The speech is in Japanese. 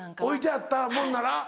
置いてあったもんなら。